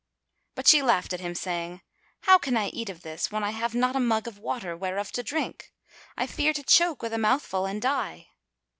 But she laughed at him, saying, "How can I eat of this, when I have not a mug of water whereof to drink? I fear to choke with a mouthful and die."